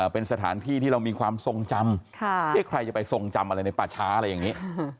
เป็นสถานที่ที่เรามีความทรงจำที่ใครจะไปทรงจำอะไรในป่าช้าอะไรอย่างนี้